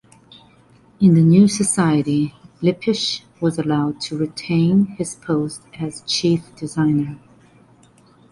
In the new society, Lippisch was allowed to retain his post as chief designer.